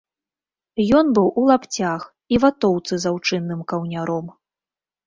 Ён быў у лапцях і ватоўцы з аўчынным каўняром.